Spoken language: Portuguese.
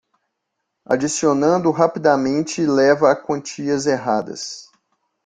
Adicionando rapidamente leva a quantias erradas.